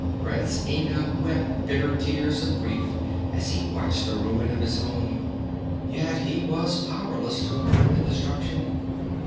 Prince Inga wept bitter tears of grief as he watched the ruin of his home; yet he was powerless to avert the destruction.